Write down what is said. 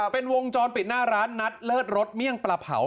เป็นวงจอมปิดหน้าร้านนัดเลิศรถเมี่ยงประเสริฟ